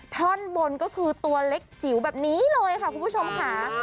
ท่อนบนก็คือตัวเล็กจิ๋วแบบนี้เลยค่ะคุณผู้ชมค่ะ